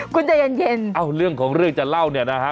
คุณใจเย็นเอ้าเรื่องของเรื่องจะเล่าเนี่ยนะฮะ